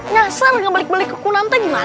ngasar ngebalik balik ke kunam entah gimana